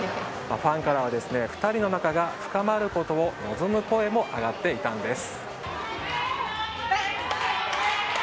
ファンからは２人の仲が深まることを望む声も上がっていたんです。